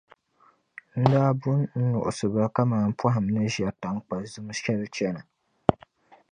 n daa bu n-nuɣisi ba kaman pɔhim ni ʒiɛri taŋkpa’ zim shɛli chana.